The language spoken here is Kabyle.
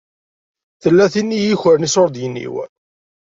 Tella tin i yukren iṣuṛdiyen-iw.